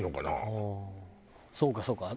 ああそうかそうか。